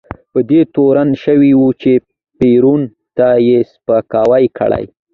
په دې تورن شوی و چې پېرون ته یې سپکاوی کړی.